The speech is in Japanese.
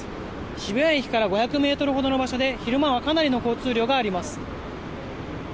渋谷駅から５００ｍほどの場所で昼間はかなりの交通量があります。